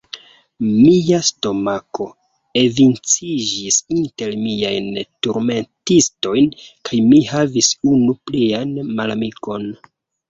Mia stomako enviciĝis inter miajn turmentistojn, kaj mi havis unu plian malamikon.